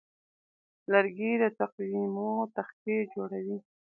لرګی د تقویمو تختې جوړوي.